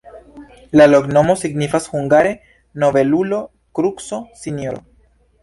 La loknomo signifas hungare: nobelulo-kruco-sinjoro.